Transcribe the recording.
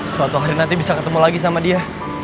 suatu hari nanti bisa ketemu lagi sama dia